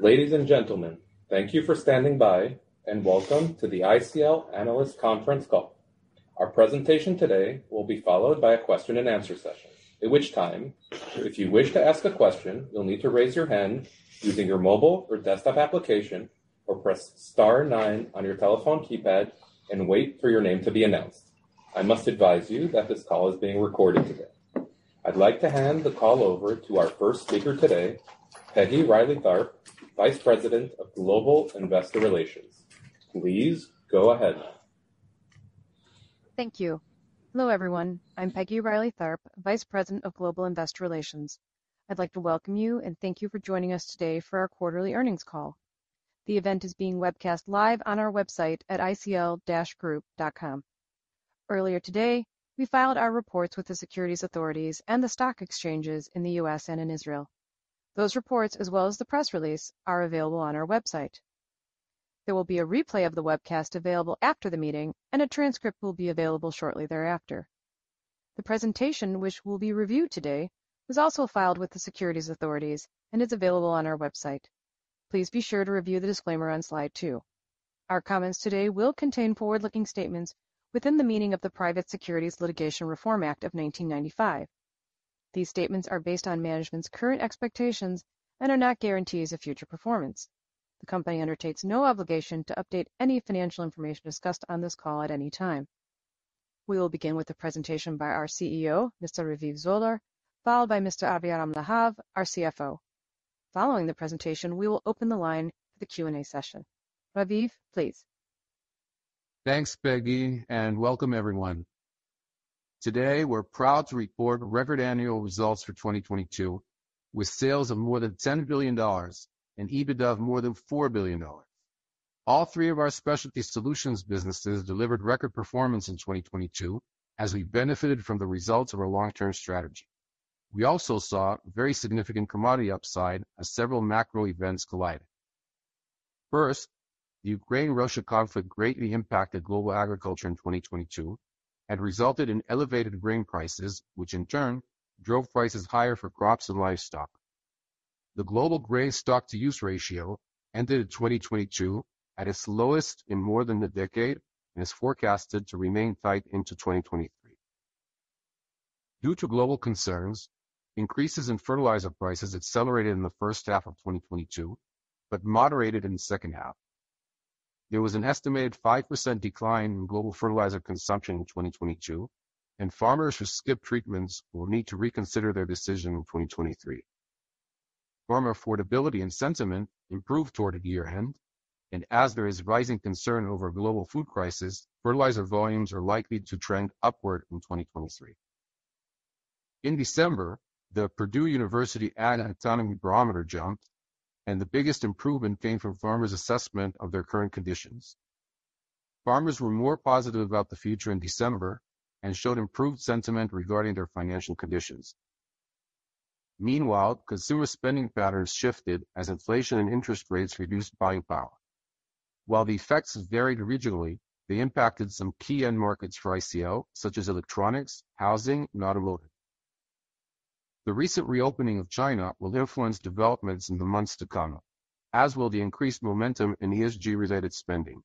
Ladies and gentlemen, thank you for standing by. Welcome to the ICL Analyst Conference Call. Our presentation today will be followed by a question-and-answer session, at which time, if you wish to ask a question, you'll need to raise your hand using your mobile or desktop application, or press star nine on your telephone keypad and wait for your name to be announced. I must advise you that this call is being recorded today. I'd like to hand the call over to our first speaker today, Peggy Reilly Tharp, Vice President of Global Investor Relations. Please go ahead. Thank you. Hello, everyone. I'm Peggy Reilly Tharp, Vice President of Global Investor Relations. I'd like to welcome you and thank you for joining us today for our quarterly earnings call. The event is being webcast live on our website at icl-group.com. Earlier today, we filed our reports with the securities authorities and the stock exchanges in the U.S. and in Israel. Those reports, as well as the press release, are available on our website. There will be a replay of the webcast available after the meeting, and a transcript will be available shortly thereafter. The presentation which will be reviewed today was also filed with the securities authorities and is available on our website. Please be sure to review the disclaimer on slide two. Our comments today will contain forward-looking statements within the meaning of the Private Securities Litigation Reform Act of 1995. These statements are based on management's current expectations and are not guarantees of future performance. The company undertakes no obligation to update any financial information discussed on this call at any time. We will begin with a presentation by our CEO, Mr. Raviv Zoller, followed by Mr. Aviram Lahav, our CFO. Following the presentation, we will open the line for the Q&A session. Raviv, please. Thanks, Peggy, and welcome everyone. Today, we're proud to report record annual results for 2022, with sales of more than $10 billion and EBITDA of more than $4 billion. All three of our Specialty Solutions businesses delivered record performance in 2022 as we benefited from the results of our long-term strategy. We also saw very significant commodity upside as several macro events collided. First, the Ukraine-Russia conflict greatly impacted global agriculture in 2022 and resulted in elevated grain prices, which in turn drove prices higher for crops and livestock. The global grain stock-to-use ratio ended in 2022 at its lowest in more than a decade and is forecasted to remain tight into 2023. Due to global concerns, increases in fertilizer prices accelerated in the first half of 2022 but moderated in the second half. There was an estimated 5% decline in global fertilizer consumption in 2022. Farmers who skipped treatments will need to reconsider their decision in 2023. Farmer affordability and sentiment improved toward year-end, and as there is rising concern over global food crisis, fertilizer volumes are likely to trend upward in 2023. In December, the Purdue University-Ag Economy Barometer jumped, and the biggest improvement came from farmers' assessment of their current conditions. Farmers were more positive about the future in December and showed improved sentiment regarding their financial conditions. Meanwhile, consumer spending patterns shifted as inflation and interest rates reduced buying power. While the effects varied regionally, they impacted some key end markets for ICL, such as electronics, housing, and automotive. The recent reopening of China will influence developments in the months to come, as will the increased momentum in ESG-related spending.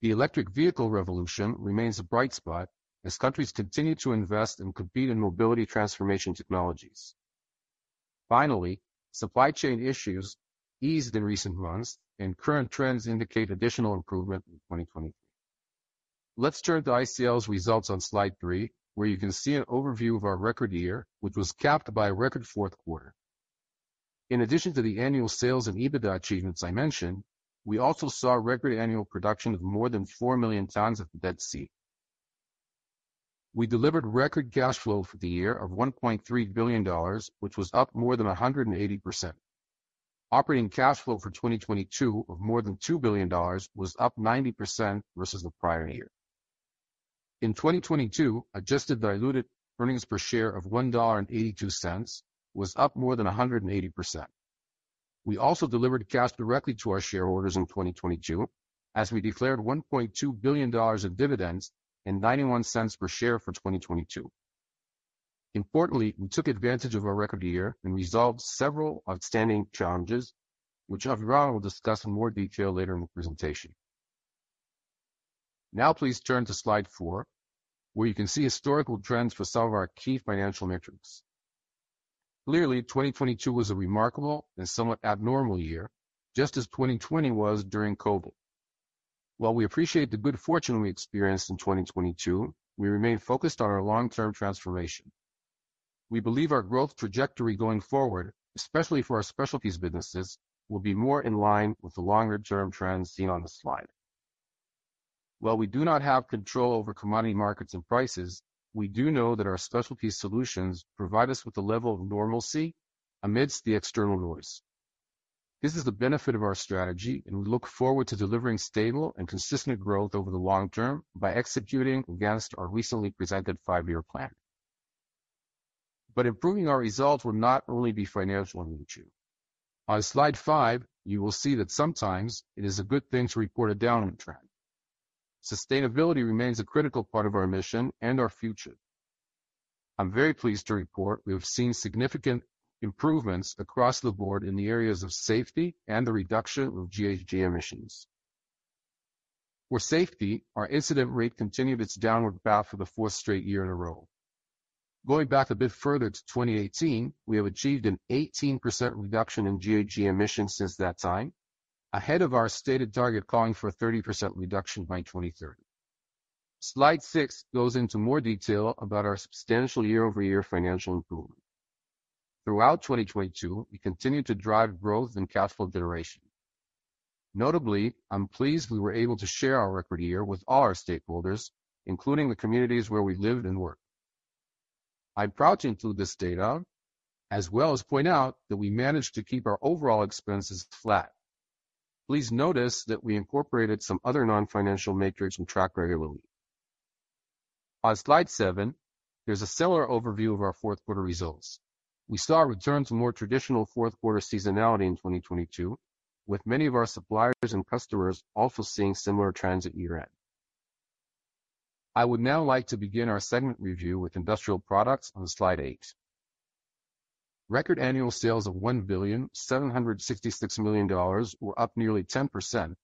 The electric vehicle revolution remains a bright spot as countries continue to invest and compete in mobility transformation technologies. Supply chain issues eased in recent months, and current trends indicate additional improvement in 2023. Let's turn to ICL's results on slide three, where you can see an overview of our record year, which was capped by a record fourth quarter. In addition to the annual sales and EBITDA achievements I mentioned, we also saw record annual production of more than 4 million tons at the Dead Sea. We delivered record cash flow for the year of $1.3 billion, which was up more than 180%. Operating cash flow for 2022 of more than $2 billion was up 90% versus the prior year. In 2022, adjusted diluted earnings per share of $1.82 was up more than 180%. We also delivered cash directly to our shareholders in 2022 as we declared $1.2 billion in dividends and $0.91 per share for 2022. Importantly, we took advantage of our record year and resolved several outstanding challenges, which Aviram will discuss in more detail later in the presentation. Please turn to slide four, where you can see historical trends for some of our key financial metrics. Clearly, 2022 was a remarkable and somewhat abnormal year, just as 2020 was during COVID. While we appreciate the good fortune we experienced in 2022, we remain focused on our long-term transformation. We believe our growth trajectory going forward, especially for our Specialties businesses, will be more in line with the longer-term trends seen on this slide. While we do not have control over commodity markets and prices, we do know that our Specialty Solutions provide us with a level of normalcy amidst the external noise. This is the benefit of our strategy, and we look forward to delivering stable and consistent growth over the long term by executing against our recently presented five-year plan. Improving our results will not only be financial in nature. On slide five, you will see that sometimes it is a good thing to report a downward trend. Sustainability remains a critical part of our mission and our future. I'm very pleased to report we have seen significant improvements across the board in the areas of safety and the reduction of GHG emissions. For safety, our incident rate continued its downward path for the fourth straight year in a row. Going back a bit further to 2018, we have achieved an 18% reduction in GHG emissions since that time, ahead of our stated target calling for a 30% reduction by 2030. Slide six goes into more detail about our substantial year-over-year financial improvement. Throughout 2022, we continued to drive growth in cash flow generation. Notably, I'm pleased we were able to share our record year with all our stakeholders, including the communities where we lived and worked. I'm proud to include this data as well as point out that we managed to keep our overall expenses flat. Please notice that we incorporated some other non-financial metrics we track regularly. On slide seven, there's a similar overview of our fourth quarter results. We saw a return to more traditional fourth quarter seasonality in 2022, with many of our suppliers and customers also seeing similar trends at year-end. I would now like to begin our segment review with Industrial Products on slide eight. Record annual sales of $1,766 million were up nearly 10%,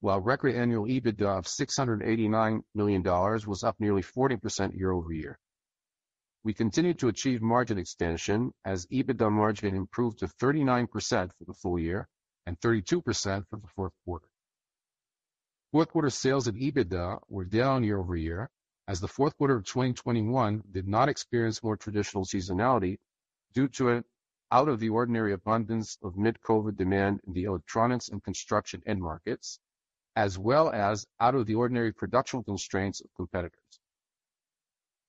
while record annual EBITDA of $689 million was up nearly 40% year-over-year. We continued to achieve margin expansion as EBITDA margin improved to 39% for the full year and 32% for the fourth quarter. Fourth quarter sales and EBITDA were down year-over-year as the fourth quarter of 2021 did not experience more traditional seasonality due to an out of the ordinary abundance of mid-COVID demand in the electronics and construction end markets, as well as out of the ordinary production constraints of competitors.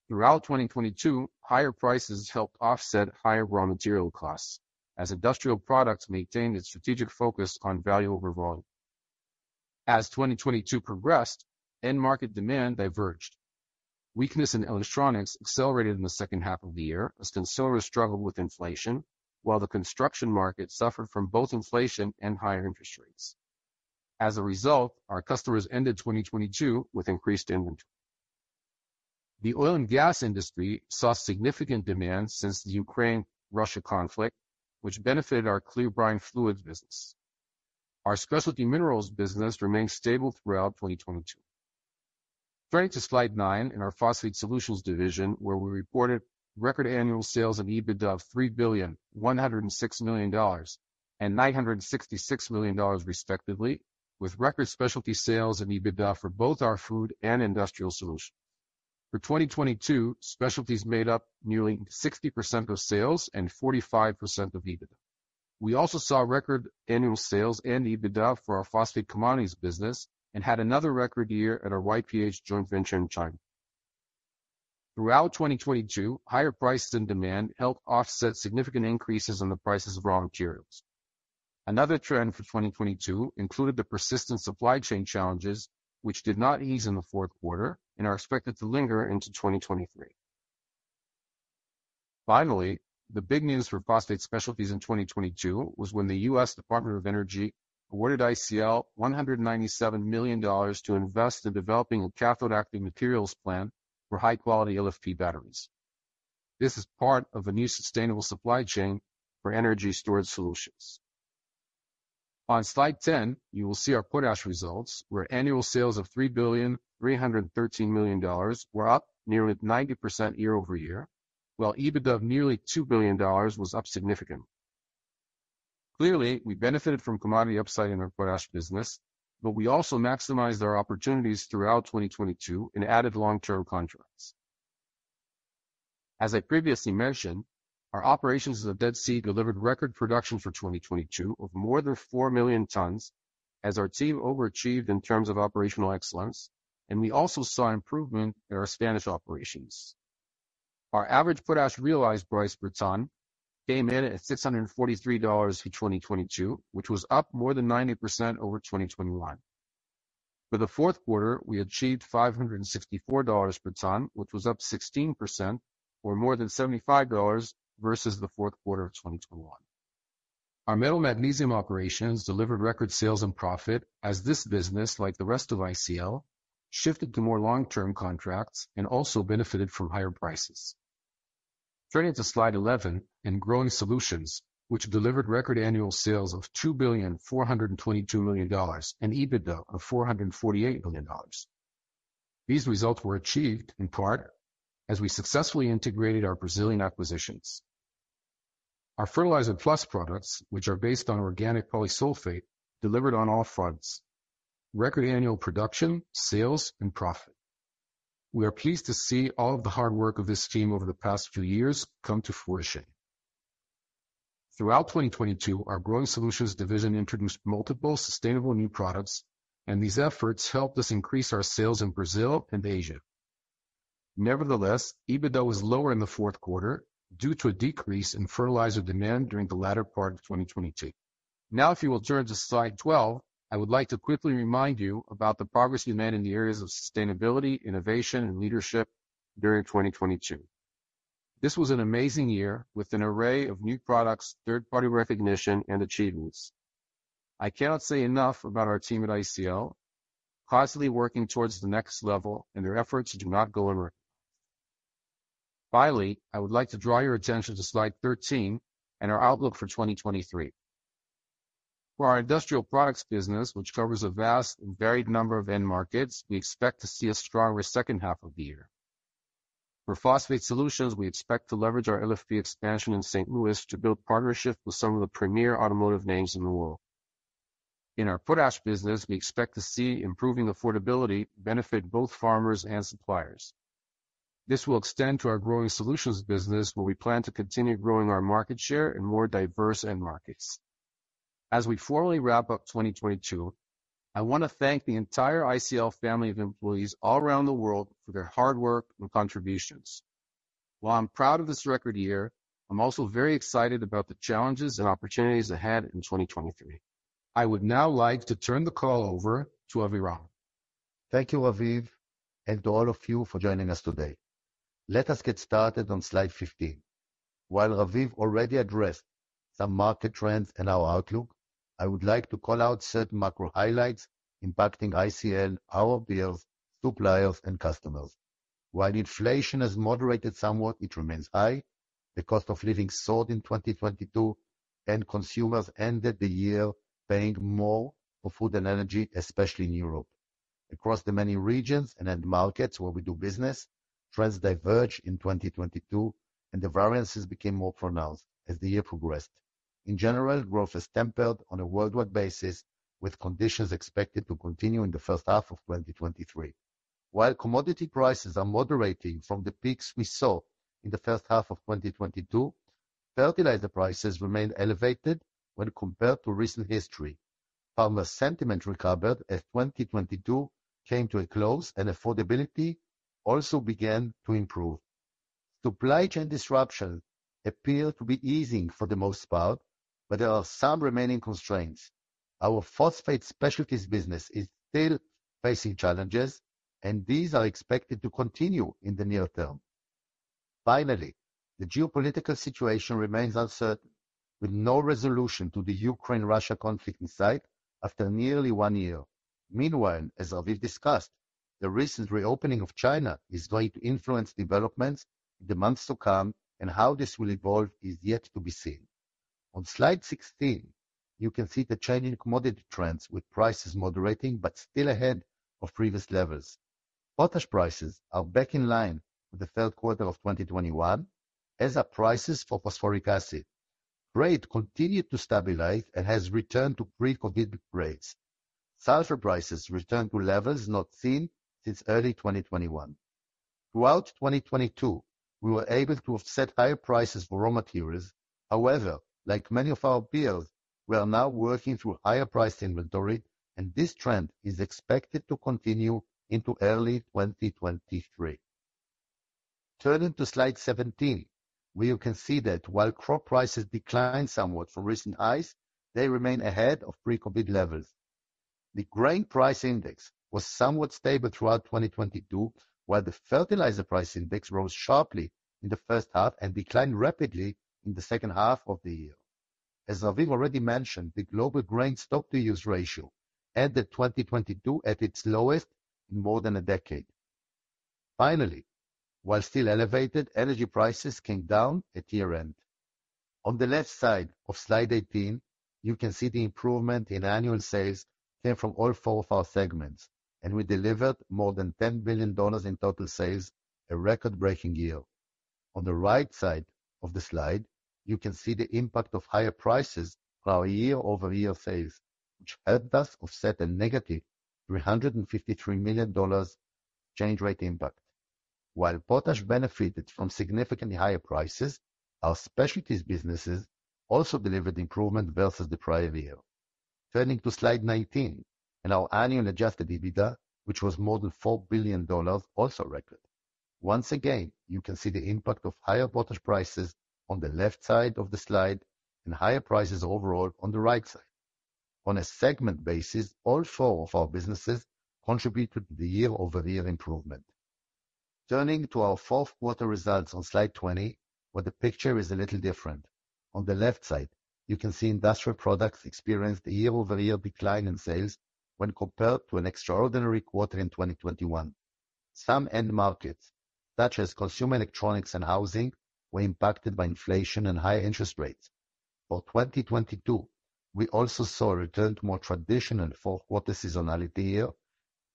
Throughout 2022, higher prices helped offset higher raw material costs as Industrial Products maintained its strategic focus on value over volume. As 2022 progressed, end market demand diverged. Weakness in electronics accelerated in the second half of the year as consumers struggled with inflation, while the construction market suffered from both inflation and higher interest rates. As a result, our customers ended 2022 with increased inventory. The oil and gas industry saw significant demand since the Ukraine-Russia conflict, which benefited our clear brine fluids business. Our Specialty minerals business remained stable throughout 2022. Turning to slide nine in our Phosphate Solutions division, where we reported record annual sales and EBITDA of $3.106 billion and $966 million respectively, with record Specialty sales and EBITDA for both our food and industrial solutions. For 2022, Specialties made up nearly 60% of sales and 45% of EBITDA. We also saw record annual sales and EBITDA for our Phosphate Commodities business and had another record year at our YPH joint venture in China. Throughout 2022, higher prices and demand helped offset significant increases in the prices of raw materials. Another trend for 2022 included the persistent supply chain challenges, which did not ease in the fourth quarter and are expected to linger into 2023. The big news for Phosphate Specialties in 2022 was when the U.S. Department of Energy awarded ICL $197 million to invest in developing a cathode active materials plant for high-quality LFP batteries. This is part of a new sustainable supply chain for energy storage solutions. On slide 10, you will see our potash results, where annual sales of $3.313 billion were up nearly 90% year-over-year, while EBITDA of nearly $2 billion was up significantly. We benefited from commodity upside in our potash business, but we also maximized our opportunities throughout 2022 and added long-term contracts. As I previously mentioned, our operations at the Dead Sea delivered record production for 2022 of more than 4 million tons as our team overachieved in terms of operational excellence, and we also saw improvement in our Spanish operations. Our average potash realized price per ton came in at $643 for 2022, which was up more than 90% over 2021. For the fourth quarter, we achieved $564 per ton, which was up 16% or more than $75 versus the fourth quarter of 2021. Our metal magnesium operations delivered record sales and profit as this business, like the rest of ICL, shifted to more long-term contracts and also benefited from higher prices. Turning to slide 11 in Growing Solutions, which delivered record annual sales of $2.422 billion and EBITDA of $448 million. These results were achieved in part as we successfully integrated our Brazilian acquisitions. Our FertilizerpluS products, which are based on organic Polysulphate, delivered on all fronts: record annual production, sales, and profit. We are pleased to see all of the hard work of this team over the past few years come to fruition. Throughout 2022, our Growing Solutions division introduced multiple sustainable new products, these efforts helped us increase our sales in Brazil and Asia. Nevertheless, EBITDA was lower in the fourth quarter due to a decrease in fertilizer demand during the latter part of 2022. If you will turn to slide 12, I would like to quickly remind you about the progress we made in the areas of sustainability, innovation, and leadership during 2022. This was an amazing year with an array of new products, third-party recognition, and achievements. I cannot say enough about our team at ICL, constantly working towards the next level, and their efforts do not go overlooked. I would like to draw your attention to slide 13 and our outlook for 2023. For our Industrial Products business, which covers a vast and varied number of end markets, we expect to see a stronger second half of the year. For Phosphate Solutions, we expect to leverage our LFP expansion in St. Louis to build partnerships with some of the premier automotive names in the world. In our potash business, we expect to see improving affordability benefit both farmers and suppliers. This will extend to our Growing Solutions business, where we plan to continue growing our market share in more diverse end markets. As we formally wrap up 2022, I want to thank the entire ICL family of employees all around the world for their hard work and contributions. While I'm proud of this record year, I'm also very excited about the challenges and opportunities ahead in 2023. I would now like to turn the call over to Aviram. Thank you, Raviv, and to all of you for joining us today. Let us get started on slide 15. While Raviv already addressed some market trends and our outlook, I would like to call out certain macro highlights impacting ICL, our peers, suppliers, and customers. While inflation has moderated somewhat, it remains high. The cost of living soared in 2022, and consumers ended the year paying more for food and energy, especially in Europe. Across the many regions and end markets where we do business, trends diverged in 2022, and the variances became more pronounced as the year progressed. In general, growth has tempered on a worldwide basis, with conditions expected to continue in the first half of 2023. While commodity prices are moderating from the peaks we saw in the first half of 2022, fertilizer prices remain elevated when compared to recent history. Farmer sentiment recovered as 2022 came to a close, affordability also began to improve. Supply chain disruption appeared to be easing for the most part, there are some remaining constraints. Our Phosphate Specialties business is still facing challenges, these are expected to continue in the near term. Finally, the geopolitical situation remains uncertain, with no resolution to the Ukraine-Russia conflict in sight after nearly one year. Meanwhile, as Raviv discussed, the recent reopening of China is going to influence developments in the months to come, how this will evolve is yet to be seen. On slide 16, you can see the change in commodity trends with prices moderating, still ahead of previous levels. Potash prices are back in line with the third quarter of 2021, as are prices for phosphoric acid. Freight continued to stabilize, has returned to pre-COVID rates. Sulfur prices returned to levels not seen since early 2021. Throughout 2022, we were able to offset higher prices for raw materials. However, like many of our peers, we are now working through higher priced inventory, and this trend is expected to continue into early 2023. Turning to slide 17, where you can see that while crop prices declined somewhat from recent highs, they remain ahead of pre-COVID levels. The grain price index was somewhat stable throughout 2022, while the fertilizer price index rose sharply in the first half and declined rapidly in the second half of the year. As Raviv already mentioned, the global grain stock-to-use ratio ended 2022 at its lowest in more than a decade. Finally, while still elevated, energy prices came down at year-end. On the left side of slide 18, you can see the improvement in annual sales came from all four of our segments, and we delivered more than $10 billion in total sales, a record-breaking year. On the right side of the slide, you can see the impact of higher prices on our year-over-year sales, which helped us offset a negative $353 million change rate impact. While potash benefited from significantly higher prices, our Specialties businesses also delivered improvement versus the prior year. Turning to slide 19, our annual adjusted EBITDA, which was more than $4 billion, also record. Once again, you can see the impact of higher potash prices on the left side of the slide and higher prices overall on the right side. On a segment basis, all four of our businesses contributed to the year-over-year improvement. Turning to our fourth quarter results on slide 20, where the picture is a little different. On the left side, you can see Industrial Products experienced a year-over-year decline in sales when compared to an extraordinary quarter in 2021. Some end markets, such as consumer electronics and housing, were impacted by inflation and high interest rates. For 2022, we also saw a return to more traditional fourth quarter seasonality here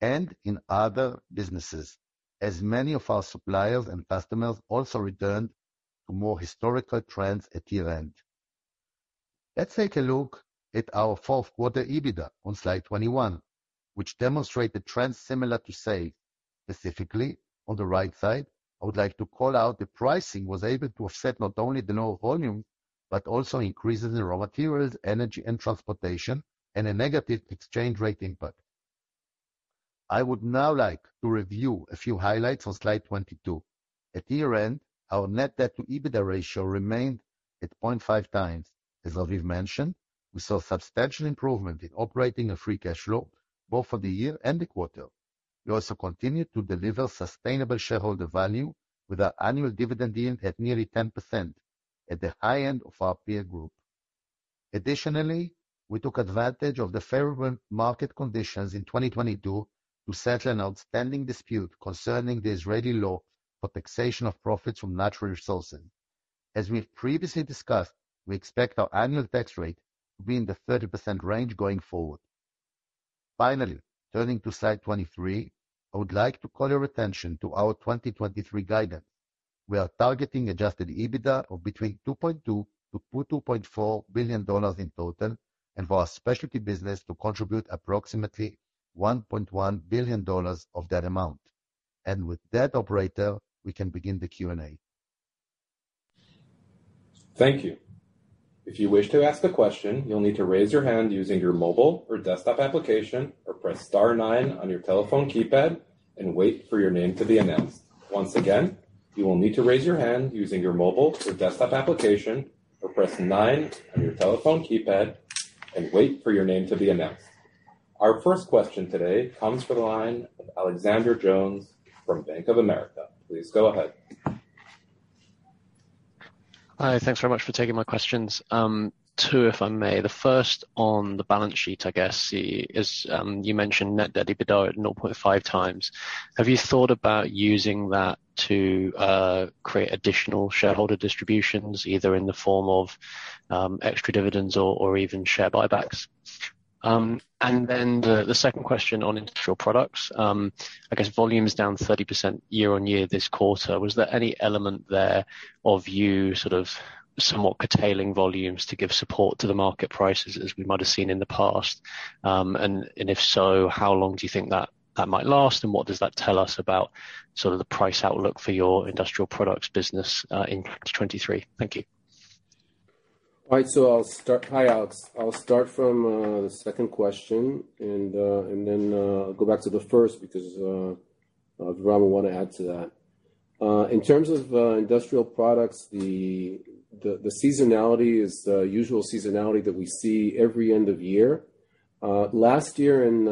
and in other businesses, as many of our suppliers and customers also returned to more historical trends at year-end. Let's take a look at our fourth quarter EBITDA on slide 21, which demonstrate the trends similar to sales. Specifically, on the right side, I would like to call out the pricing was able to offset not only the lower volumes, but also increases in raw materials, energy and transportation, and a negative exchange rate impact. I would now like to review a few highlights on slide 22. At year-end, our net debt to EBITDA ratio remained at 0.5x. As Raviv mentioned, we saw substantial improvement in operating and free cash flow both for the year and the quarter. We also continued to deliver sustainable shareholder value with our annual dividend yield at nearly 10% at the high end of our peer group. Additionally, we took advantage of the favorable market conditions in 2022 to settle an outstanding dispute concerning the Israeli law for taxation of profits from natural resources. As we have previously discussed, we expect our annual tax rate to be in the 30% range going forward. Finally, turning to slide 23, I would like to call your attention to our 2023 guidance. We are targeting adjusted EBITDA of between $2.2 billion-$2.4 billion in total, for our Specialty business to contribute approximately $1.1 billion of that amount. With that, operator, we can begin the Q&A. Thank you. If you wish to ask a question, you'll need to raise your hand using your mobile or desktop application, or press star nine on your telephone keypad and wait for your name to be announced. Once again, you will need to raise your hand using your mobile or desktop application, or press nine on your telephone keypad and wait for your name to be announced. Our first question today comes from the line of Alex Jones from Bank of America. Please go ahead. Hi. Thanks very much for taking my questions. Two, if I may. The first on the balance sheet, I guess, is, you mentioned net debt to EBITDA at 0.5x. Have you thought about using that to create additional shareholder distributions, either in the form of extra dividends or even share buybacks? The second question on Industrial Products, I guess volume is down 30% year-over-year this quarter. Was there any element there of you sort of somewhat curtailing volumes to give support to the market prices as we might have seen in the past? If so, how long do you think that that might last and what does that tell us about sort of the price outlook for your Industrial Products business in 2023? Thank you. All right, I'll start. Hi, Alex. I'll start from the second question and then go back to the first because Aviram will want to add to that. In terms of Industrial Products, the seasonality is the usual seasonality that we see every end of year. Last year in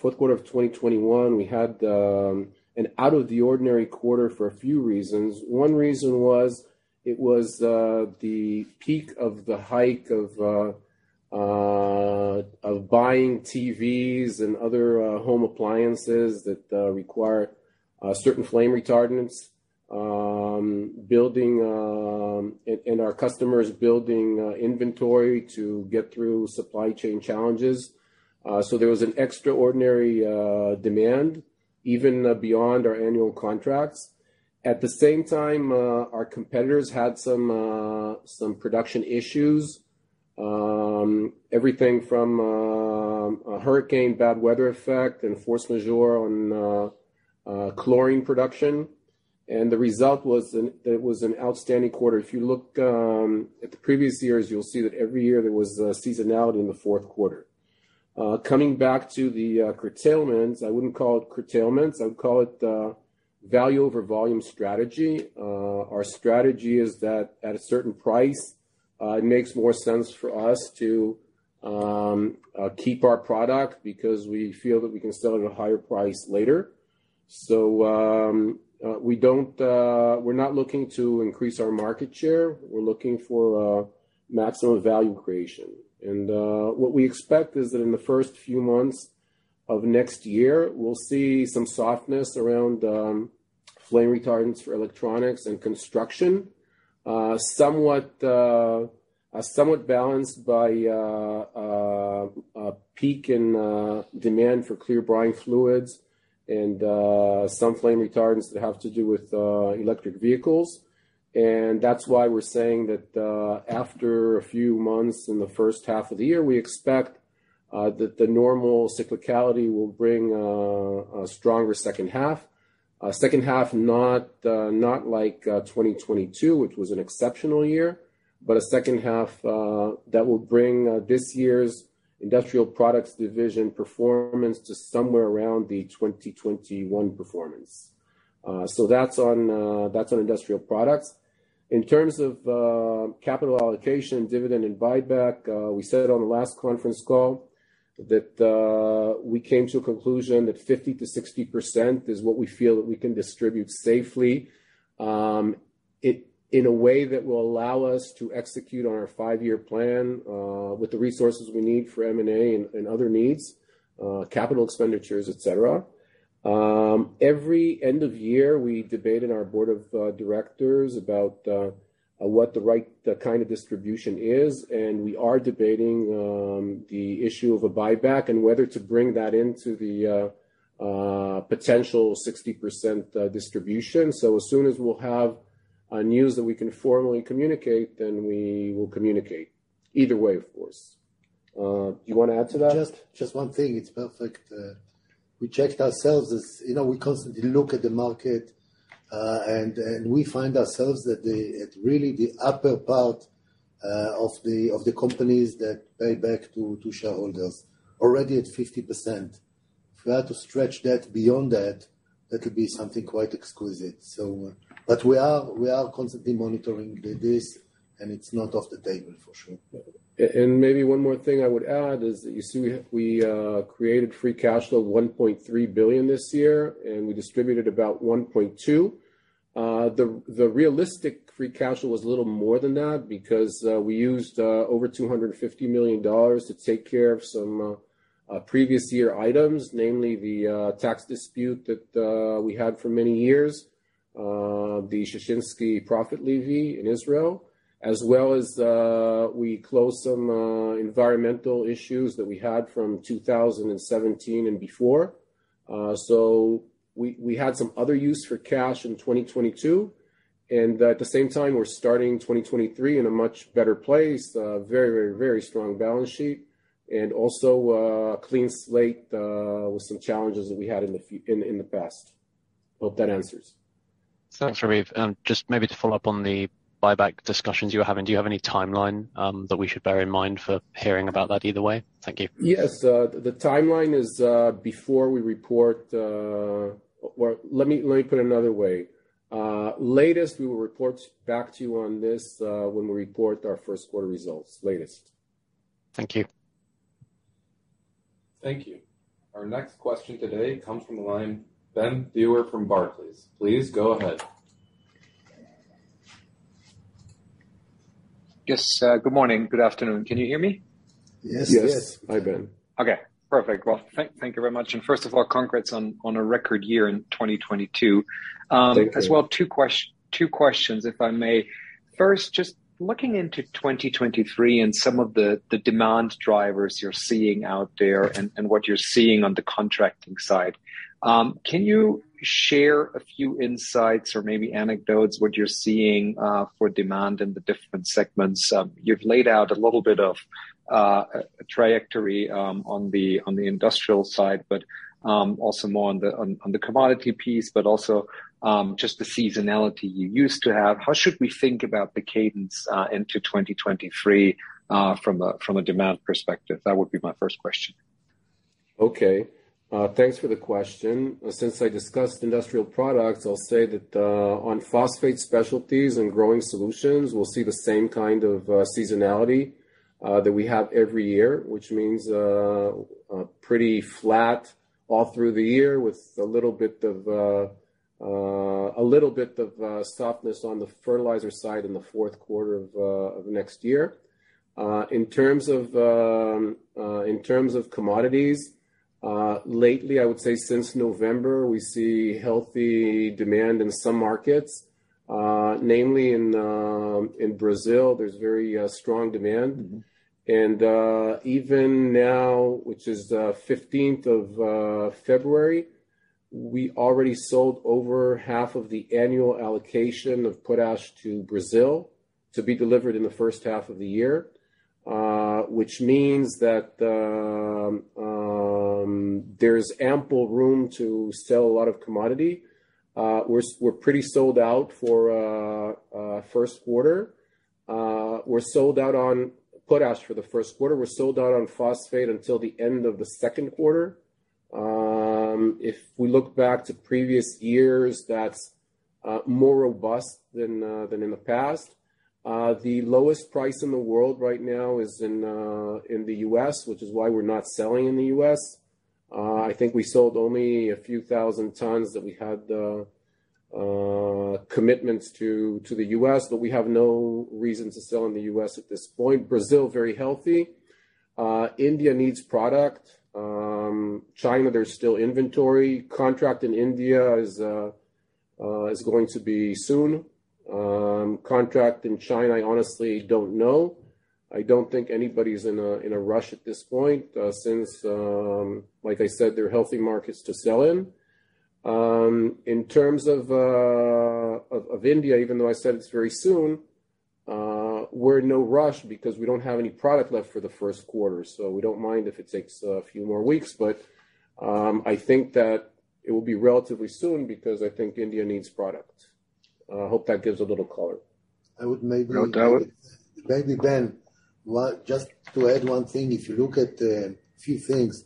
fourth quarter of 2021, we had an out of the ordinary quarter for a few reasons. One reason was it was the peak of the hike of buying TVs and other home appliances that require certain flame retardants, building, and our customers building inventory to get through supply chain challenges. There was an extraordinary demand even beyond our annual contracts. At the same time, our competitors had some production issues, everything from a hurricane, bad weather effect and force majeure on chlorine production, and the result was an outstanding quarter. If you look at the previous years, you'll see that every year there was a seasonality in the fourth quarter. Coming back to the curtailments, I wouldn't call it curtailments. I would call it value over volume strategy. Our strategy is that at a certain price, it makes more sense for us to keep our product because we feel that we can sell it at a higher price later. We don't, we're not looking to increase our market share. We're looking for maximum value creation. What we expect is that in the first few months of next year, we'll see some softness around flame retardants for electronics and construction, somewhat balanced by a peak in demand for clear brine fluids and some flame retardants that have to do with electric vehicles. That's why we're saying that after a few months in the first half of the year, we expect that the normal cyclicality will bring a stronger second half. A second half, not like 2022, which was an exceptional year, but a second half that will bring this year's Industrial Products division performance to somewhere around the 2021 performance. That's on, that's on Industrial Products. In terms of capital allocation, dividend and buyback, we said on the last conference call that we came to a conclusion that 50%-60% is what we feel that we can distribute safely, in a way that will allow us to execute on our five-year plan, with the resources we need for M&A and other needs, capital expenditures, et cetera. Every end of year, we debate in our board of directors about what the right kind of distribution is. We are debating the issue of a buyback and whether to bring that into the potential 60% distribution. As soon as we'll have news that we can formally communicate, then we will communicate. Either way, of course. Do you wanna add to that? Just one thing. It's perfect. We checked ourselves as, you know, we constantly look at the market, and we find ourselves that at really the upper part of the companies that pay back to shareholders already at 50%. If we had to stretch that beyond that- That would be something quite exclusive. We are constantly monitoring this and it's not off the table for sure. Maybe one more thing I would add is that you see we created free cash flow $1.3 billion this year, and we distributed about $1.2 billion. The realistic free cash flow was a little more than that because we used over $250 million to take care of some previous year items, namely the tax dispute that we had for many years, the Sheshinski profit levy in Israel, as well as we closed some environmental issues that we had from 2017 and before. We had some other use for cash in 2022. At the same time, we're starting 2023 in a much better place, very strong balance sheet, and also, clean slate, with some challenges that we had in the past. Hope that answers. Thanks, Raviv. Just maybe to follow up on the buyback discussions you were having. Do you have any timeline that we should bear in mind for hearing about that either way? Thank you. Yes. The timeline is. Let me put it another way. Latest, we will report back to you on this, when we report our first quarter results. Latest. Thank you. Thank you. Our next question today comes from the line, Ben Theurer from Barclays. Please go ahead. Yes. Good morning. Good afternoon. Can you hear me? Yes. Yes. Hi, Ben. Okay, perfect. Well, thank you very much. First of all, congrats on a record year in 2022. Thank you. As well, two questions, if I may. First, just looking into 2023 and some of the demand drivers you're seeing out there and what you're seeing on the contracting side, can you share a few insights or maybe anecdotes what you're seeing for demand in the different segments? You've laid out a little bit of a trajectory on the industrial side, but also more on the commodity piece, but also just the seasonality you used to have. How should we think about the cadence into 2023 from a demand perspective? That would be my first question. Okay. Thanks for the question. Since I discussed Industrial Products, I'll say that on Phosphate Specialties and Growing Solutions, we'll see the same kind of seasonality that we have every year, which means pretty flat all through the year with a little bit of softness on the fertilizer side in the fourth quarter of next year. In terms of commodities, lately, I would say since November, we see healthy demand in some markets, namely in Brazil, there's very strong demand. Mm-hmm. Even now, which is the 15th of February, we already sold over half of the annual allocation of potash to Brazil to be delivered in the first half of the year, which means that there's ample room to sell a lot of commodity. We're pretty sold out for first quarter. We're sold out on potash for the first quarter. We're sold out on phosphate until the end of the second quarter. If we look back to previous years, that's more robust than in the past. The lowest price in the world right now is in the U.S., which is why we're not selling in the U.S. I think we sold only a few thousand tons that we had commitments to the U.S., but we have no reason to sell in the U.S. at this point. Brazil, very healthy. India needs product. China, there's still inventory. Contract in India is going to be soon. Contract in China, I honestly don't know. I don't think anybody's in a rush at this point, since like I said, they're healthy markets to sell in. In terms of India, even though I said it's very soon, we're in no rush because we don't have any product left for the first quarter, so we don't mind if it takes a few more weeks. I think that it will be relatively soon because I think India needs product. I hope that gives a little color. I would. You want to add? Maybe, Ben, just to add one thing. If you look at a few things,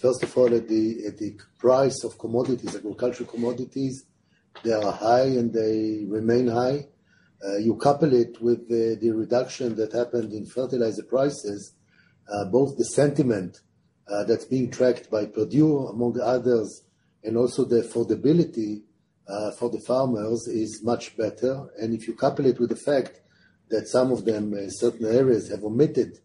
first of all, at the price of commodities, agricultural commodities, they are high and they remain high. You couple it with the reduction that happened in fertilizer prices, both the sentiment that's being tracked by Purdue among others, and also the affordability for the farmers is much better. If you couple it with the fact that some of them in certain areas have omitted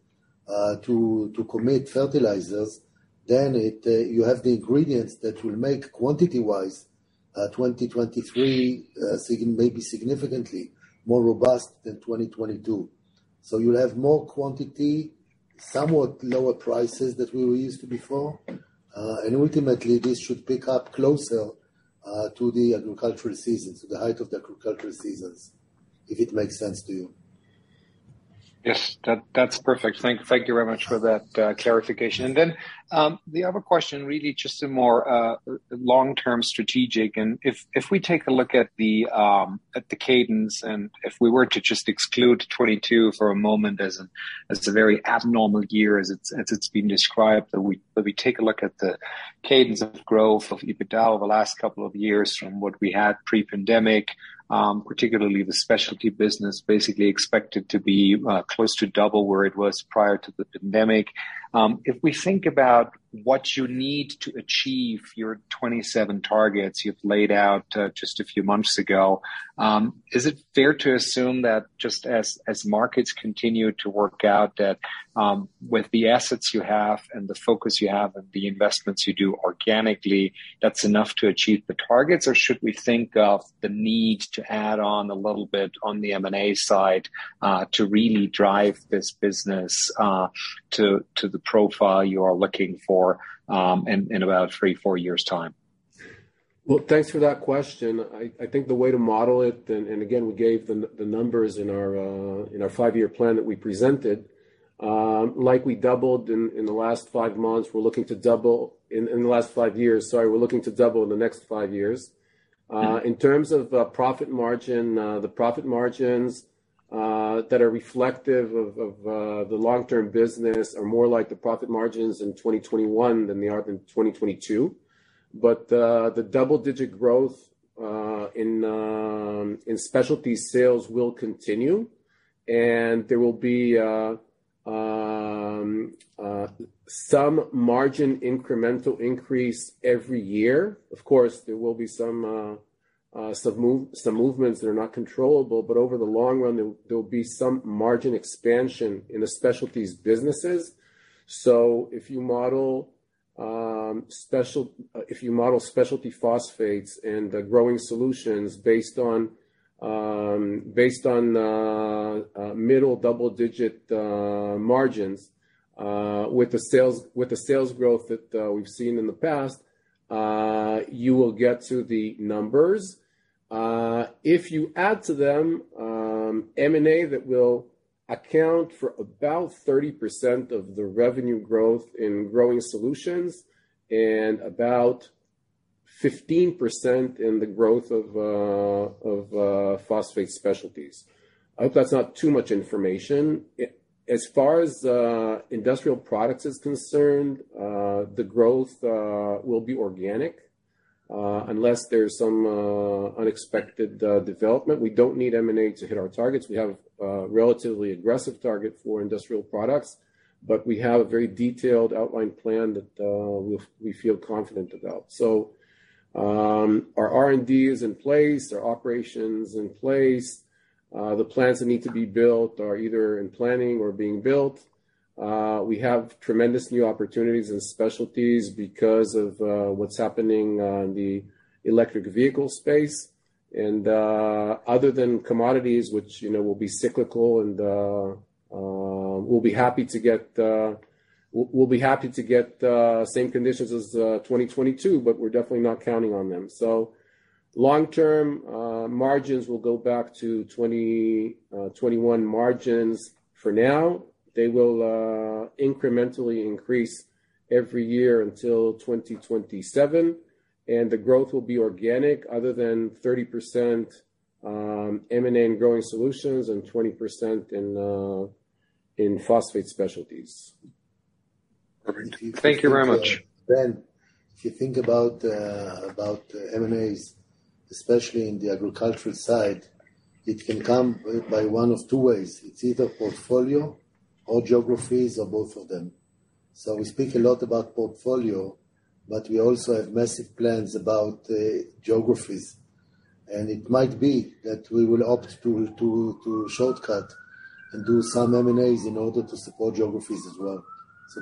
to commit fertilizers, then it, you have the ingredients that will make quantity wise, 2023, maybe significantly more robust than 2022. You'll have more quantity, somewhat lower prices that we were used to before, and ultimately, this should pick up closer to the agricultural seasons, the height of the agricultural seasons, if it makes sense to you. Yes. That's perfect. Thank you very much for that clarification. The other question, really just a more long-term strategic. If we take a look at the cadence, if we were to just exclude 22 for a moment as a very abnormal year as it's been described, but we take a look at the cadence of growth of EBITDA over the last couple of years from what we had pre-pandemic, particularly the Specialty business, basically expected to be close to double where it was prior to the pandemic. If we think about what you need to achieve your 27 targets you've laid out, just a few months ago, is it fair to assume that just as markets continue to work out that, with the assets you have and the focus you have and the investments you do organically, that's enough to achieve the targets? Or should we think of the need to add on a little bit on the M&A side, to really drive this business, to the profile you are looking for, about three, four years' time? Thanks for that question. I think the way to model it, and again, we gave the numbers in our in our five-year plan that we presented. Like we doubled in the last five months, we're looking to double. In the last five years, sorry. We're looking to double in the next five years. In terms of profit margin, the profit margins that are reflective of the long-term business are more like the profit margins in 2021 than they are in 2022. The double-digit growth in Specialty sales will continue, and there will be some margin incremental increase every year. Of course, there will be some movements that are not controllable, but over the long run, there'll be some margin expansion in the Specialties businesses. If you model Specialty Phosphates and the Growing Solutions based on based on middle double-digit margins with the sales, with the sales growth that we've seen in the past, you will get to the numbers. If you add to them M&A that will account for about 30% of the revenue growth in Growing Solutions and about 15% in the growth of Phosphate Specialties. I hope that's not too much information. As far as Industrial Products is concerned, the growth will be organic unless there's some unexpected development. We don't need M&A to hit our targets. We have a relatively aggressive target for Industrial Products, but we have a very detailed outlined plan that we feel confident about. Our R&D is in place, our operations in place, the plants that need to be built are either in planning or being built. We have tremendous new opportunities in Specialties because of what's happening in the electric vehicle space. Other than commodities, which, you know, will be cyclical and we'll be happy to get same conditions as 2022, but we're definitely not counting on them. Long-term, margins will go back to 2021 margins for now. They will incrementally increase every year until 2027. The growth will be organic other than 30% M&A in Growing Solutions and 20% in Phosphate Specialties. Perfect. Thank you very much. Ben, if you think about M&As, especially in the agricultural side, it can come by one of two ways. It's either portfolio or geographies or both of them. We speak a lot about portfolio, but we also have massive plans about geographies. It might be that we will opt to shortcut and do some M&As in order to support geographies as well.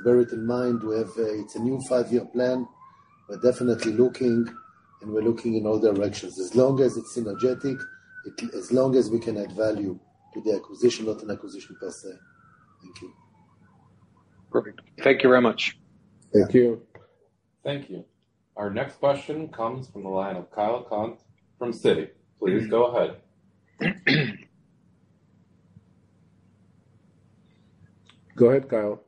Bear it in mind, we have a new five-year plan. We're definitely looking, and we're looking in all directions. As long as it's synergetic, as long as we can add value to the acquisition, not an acquisition per se. Thank you. Perfect. Thank you very much. Thank you. Thank you. Thank you. Our next question comes from the line of Kyle Caunt from Citi. Please go ahead. Go ahead, Kyle.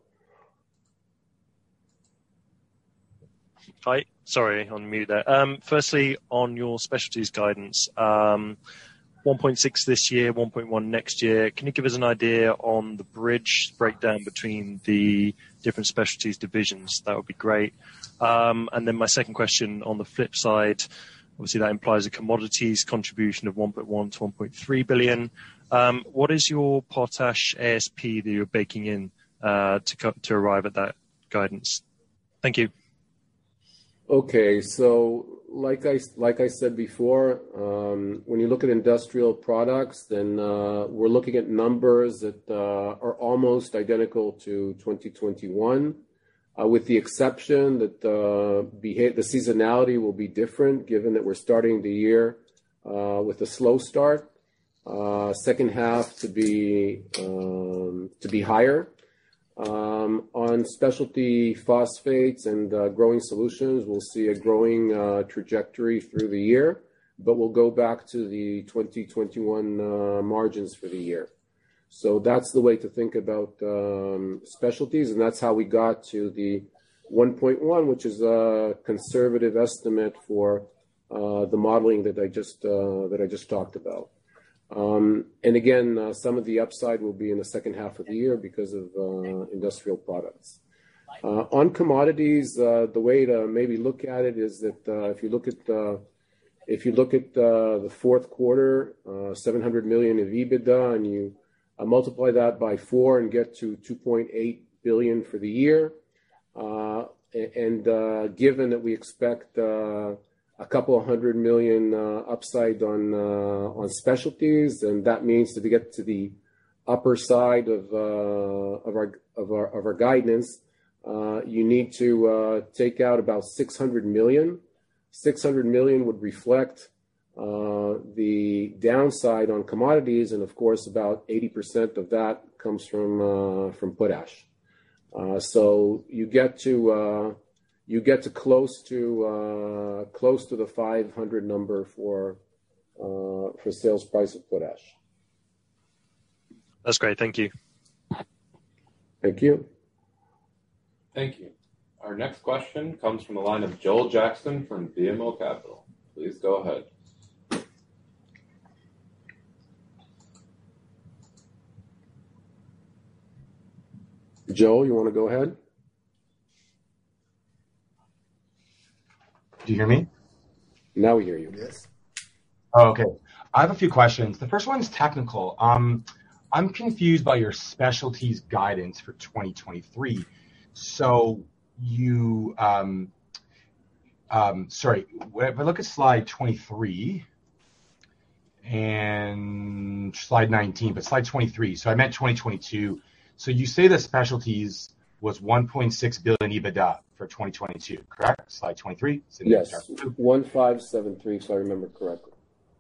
Hi. Sorry, on mute there. Firstly, on your Specialties guidance, $1.6 this year, $1.1 next year. Can you give us an idea on the bridge breakdown between the different Specialties divisions? That would be great. Then my second question on the flip side, obviously, that implies a commodities contribution of $1.1 billion-$1.3 billion. What is your potash ASP that you're baking in to arrive at that guidance? Thank you. Okay. Like I said before, when you look at Industrial Products, then we're looking at numbers that are almost identical to 2021, with the exception that the seasonality will be different given that we're starting the year with a slow start, second half to be higher. On Specialty Phosphates and Growing Solutions, we'll see a growing trajectory through the year, but we'll go back to the 2021 margins for the year. That's the way to think about Specialties, and that's how we got to the $1.1, which is a conservative estimate for the modeling that I just talked about. Again, some of the upside will be in the second half of the year because of Industrial Products. On commodities, the way to maybe look at it is that if you look at the fourth quarter, $700 million of EBITDA, and you multiply that by four and get to $2.8 billion for the year. And given that we expect a couple of hundred million upside on Specialties, and that means to get to the upper side of our guidance, you need to take out about $600 million. $600 million would reflect the downside on commodities, and of course, about 80% of that comes from potash. So you get to close to close to the 500 number for sales price of potash. That's great. Thank you. Thank you. Thank you. Our next question comes from the line of Joel Jackson from BMO Capital. Please go ahead. Joel, you wanna go ahead? Do you hear me? Now we hear you. Yes. Okay. I have a few questions. The first one is technical. I'm confused by your Specialties guidance for 2023. Sorry. When I look at slide 23 and slide 19, but slide 23. I meant 2022. You say the Specialties was $1.6 billion EBITDA for 2022, correct? Slide 23. Yes. 1,573, if I remember correctly.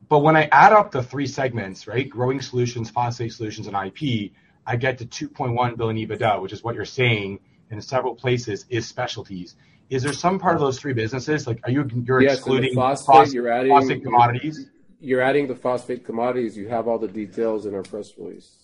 When I add up the three segments, right? Growing Solutions, Phosphate Solutions, and IP, I get to $2.1 billion EBITDA, which is what you're saying in several places is Specialties. Is there some part of those three businesses? Like, you're excluding- Yes, in the phosphate you're adding. Phosphates Commodities. You're adding the Phosphate Commodities. You have all the details in our press release.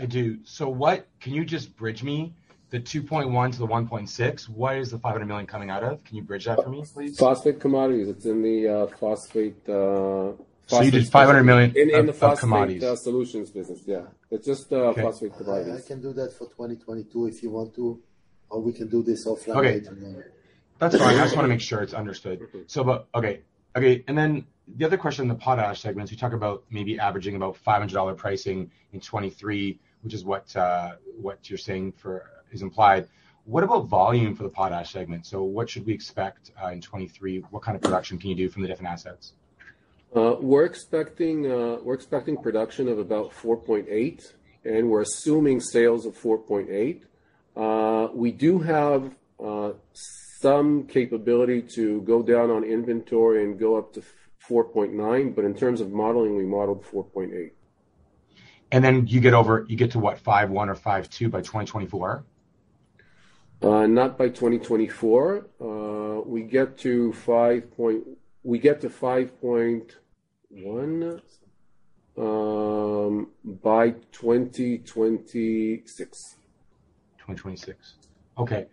I do. Can you just bridge me the 2.1 to the 1.6? What is the $500 million coming out of? Can you bridge that for me, please? Phosphate Commodities. It's in the phosphate. You did $500 million in commodities. In the Phosphate Solutions business. Yeah. It's just. Okay. Phosphate Commodities. I can do that for 2022 if you want to, or we can do this offline later on. Okay. That's fine. I just wanna make sure it's understood. Okay. Okay, the other question, the potash segment, you talk about maybe averaging about $500 pricing in 2023, which is what you're saying for is implied. What about volume for the potash segment? What should we expect in 2023? What kind of production can you do from the different assets? We're expecting production of about 4.8. We're assuming sales of 4.8. We do have some capability to go down on inventory and go up to 4.9. In terms of modeling, we modeled 4.8. You get to what? 5.1 or 5.2 by 2024? Not by 2024. We get to 5.1 by 2026. 2026. Okay.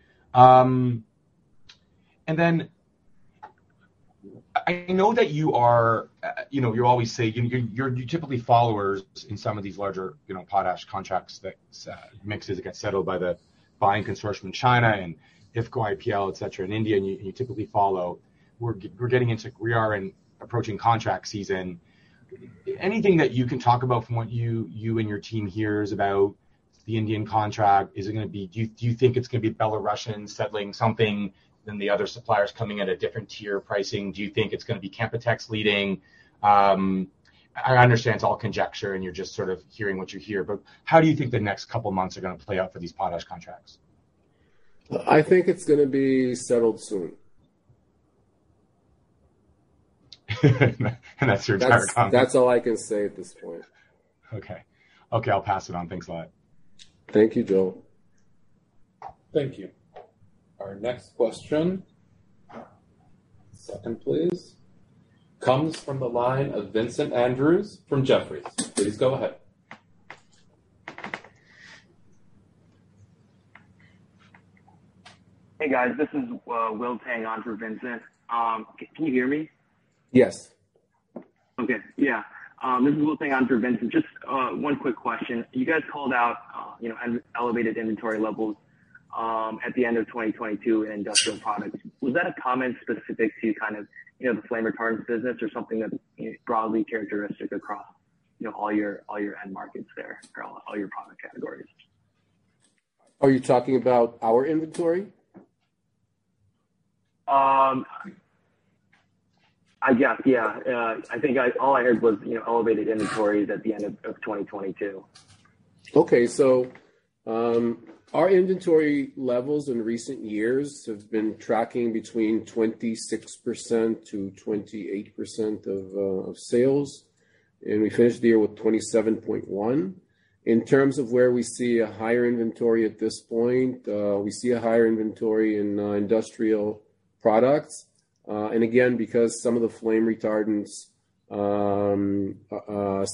I know that you are, you know, you always say you're typically followers in some of these larger, you know, potash contracts that mixes that get settled by the buying consortium in China and IFFCO, IPL, et cetera, in India, and you typically follow. We are in approaching contract season. Anything that you can talk about from what you and your team hears about the Indian contract, is it gonna be... Do you think it's gonna be Belarusian settling something then the other suppliers coming at a different tier pricing? Do you think it's gonna be Canpotex leading? I understand it's all conjecture, and you're just sort of hearing what you hear, but how do you think the next couple months are gonna play out for these potash contracts? I think it's gonna be settled soon. That's your entire comment. That's all I can say at this point. Okay. Okay, I'll pass it on. Thanks a lot. Thank you, Joel. Thank you. Our next question, one second please. Comes from the line of Vincent Andrews from Morgan Stanley. Please go ahead. Hey, guys. This is Will Tang on for Vincent Andrews. Can you hear me? Yes. Okay. Yeah. This is Will Tang on for Vincent. Just one quick question. You guys called out, you know, elevated inventory levels, at the end of 2022 in Industrial Products. Was that a comment specific to kind of, you know, the flame retardants business or something that, you know, broadly characteristic across, you know, all your, all your end markets there or all your product categories? Are you talking about our inventory? I guess, yeah. All I heard was, you know, elevated inventories at the end of 2022. Our inventory levels in recent years have been tracking between 26%-28% of sales, and we finished the year with 27.1%. In terms of where we see a higher inventory at this point, we see a higher inventory in Industrial Products. And again, because some of the flame retardants, some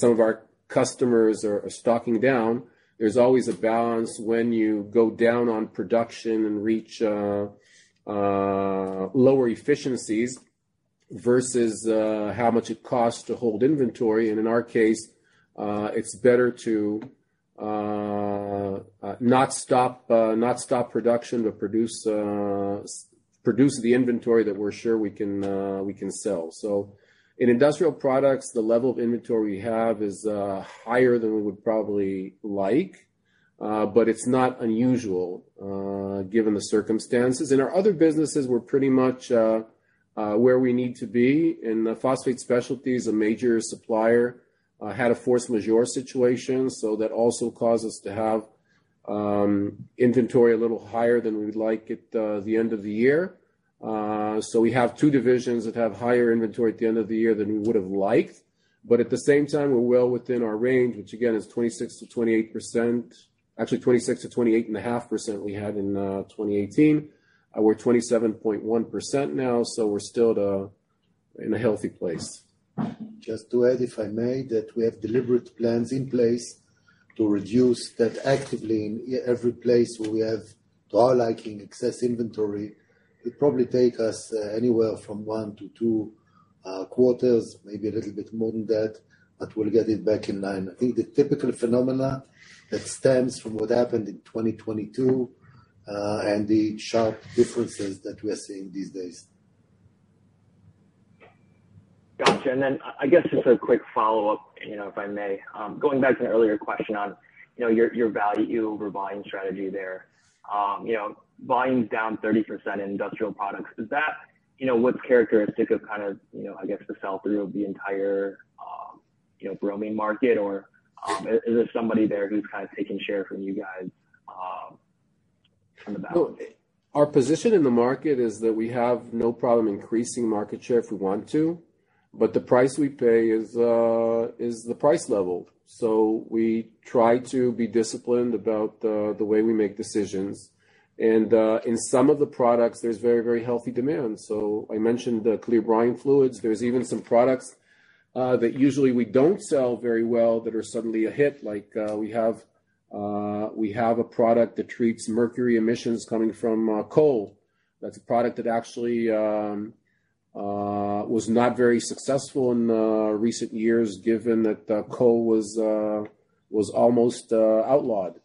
of our customers are stocking down, there's always a balance when you go down on production and reach lower efficiencies versus how much it costs to hold inventory. In our case, it's better to not stop production to produce the inventory that we're sure we can sell. In Industrial Products, the level of inventory we have is higher than we would probably like, but it's not unusual, given the circumstances. In our other businesses, we're pretty much where we need to be. In the Phosphate Specialties, a major supplier had a force majeure situation, that also caused us to have inventory a little higher than we would like at the end of the year. We have two divisions that have higher inventory at the end of the year than we would've liked. At the same time, we're well within our range, which again is 26%-28%. Actually, 26%-28.5% we had in 2018. We're 27.1% now, we're still in a healthy place. Just to add, if I may, that we have deliberate plans in place to reduce that actively in every place where we have, to our liking, excess inventory. It'll probably take us anywhere from one to two quarters, maybe a little bit more than that, but we'll get it back in line. I think the typical phenomena that stems from what happened in 2022, and the sharp differences that we are seeing these days. Got you. I guess just a quick follow-up, you know, if I may. Going back to an earlier question on, you know, your value over buying strategy there. You know, volume's down 30% in Industrial Products. Is that, you know, what's characteristic of kind of, you know, I guess, the sell-through of the entire, you know, bromine market? Or, is there somebody there who's kind of taking share from you guys, from the balcony? Our position in the market is that we have no problem increasing market share if we want to, but the price we pay is the price level. We try to be disciplined about the way we make decisions. In some of the products, there's very healthy demand. I mentioned the clear brine fluids. There's even some products that usually we don't sell very well that are suddenly a hit. We have a product that treats mercury emissions coming from coal. That's a product that actually was not very successful in recent years given that the coal was almost outlawed.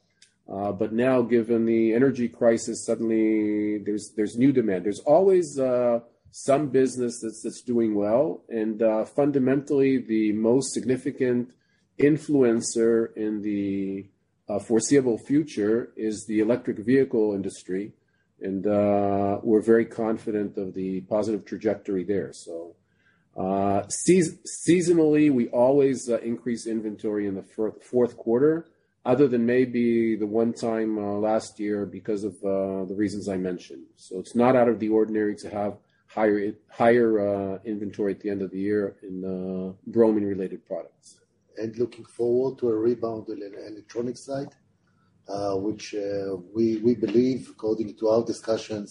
Now, given the energy crisis, suddenly there's new demand. There's always some business that's just doing well, and fundamentally, the most significant influencer in the foreseeable future is the electric vehicle industry. We're very confident of the positive trajectory there, so. Seasonally, we always increase inventory in the fourth quarter, other than maybe the one time last year because of the reasons I mentioned. It's not out of the ordinary to have higher inventory at the end of the year in the bromine-related products. Looking forward to a rebound in an electronic site, which, we believe, according to our discussions...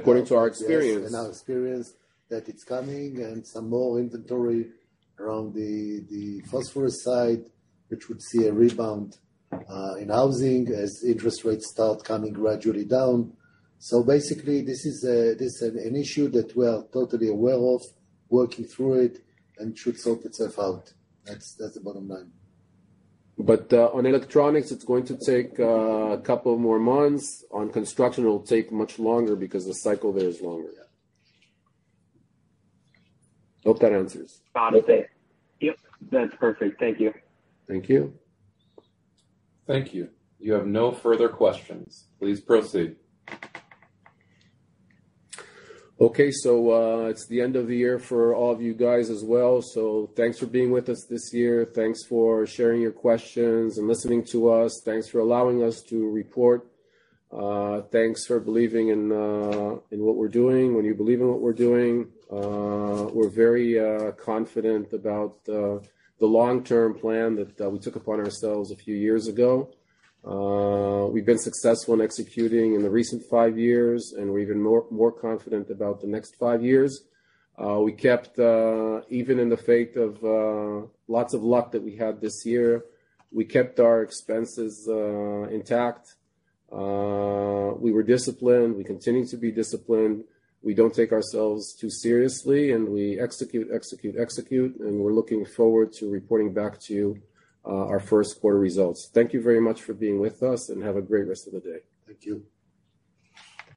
According to our experience. Yes, our experience, that it's coming, and some more inventory around the phosphorus side, which would see a rebound in housing as interest rates start coming gradually down. Basically, this is an issue that we are totally aware of, working through it, and should sort itself out. That's the bottom line. On electronics, it's going to take a couple more months. On construction, it'll take much longer because the cycle there is longer. Yeah. Hope that answers. Got it. Yep, that's perfect. Thank you. Thank you. Thank you. You have no further questions. Please proceed. It's the end of the year for all of you guys as well, so thanks for being with us this year. Thanks for sharing your questions and listening to us. Thanks for allowing us to report. Thanks for believing in what we're doing. When you believe in what we're doing, we're very confident about the long-term plan that we took upon ourselves a few years ago. We've been successful in executing in the recent five years, and we're even more confident about the next five years. We kept, even in the fate of lots of luck that we had this year, we kept our expenses intact. We were disciplined. We continue to be disciplined. We don't take ourselves too seriously, and we execute, execute, and we're looking forward to reporting back to you, our first quarter results. Thank you very much for being with us, and have a great rest of the day. Thank you.